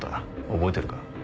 覚えてるか？